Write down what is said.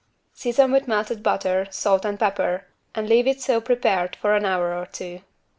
Season with melted butter, salt and pepper and leave it so prepared for an hour or two.